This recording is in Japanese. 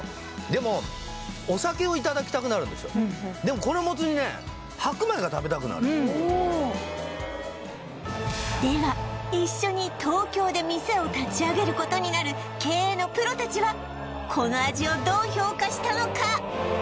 でもお酒をいただきたくなるんですよでもこのもつ煮ねでは一緒に東京で店を立ち上げることになる経営のプロ達はこの味をどう評価したのか？